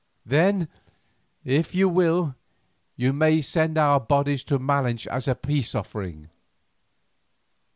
Then, if you will, you may send our bodies to Malinche as a peace offering.